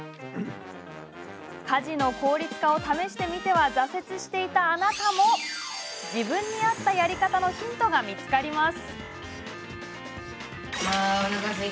家事の効率化を試してみては挫折していたあなたも自分に合ったやり方のヒントが見つかります。